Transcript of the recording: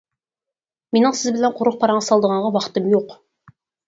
مىنىڭ سىز بىلەن قۇرۇق پاراڭ سالىدىغانغا ۋاقتىم يوق.